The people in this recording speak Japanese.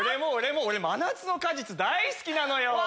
俺も俺も『真夏の果実』大好きなのよ。